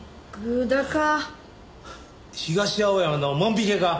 東青山のモン・ビケか？